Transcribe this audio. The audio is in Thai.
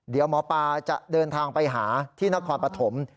เดี๋ยวหมอปลาจะเดินทางไปหาที่นครปฐม